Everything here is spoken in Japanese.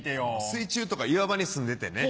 水中とか岩場にすんでてね